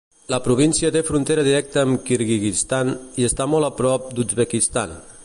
La província té frontera directa amb Kirguizistan i està molt a prop d'Uzbekistan.